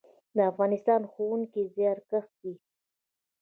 د افغانستان ښوونکي زیارکښ دي